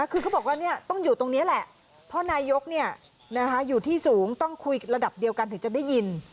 คือเขาบอกว่าต้องอยู่ตรงนี้แหละเพราะนายกอยู่ที่สูงต้องคุยระดับเดียวกันถึงจะได้ยิน